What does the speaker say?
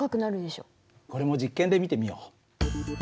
これも実験で見てみよう。